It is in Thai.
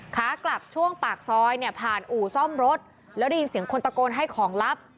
ขากลับช่วงปากซอยเนี่ยผ่านอู่ซ่อมรถแล้วได้ยินเสียงคนตะโกนให้ของลับ